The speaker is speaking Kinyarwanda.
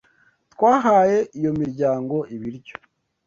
Twahaye iyo miryango ibiryo.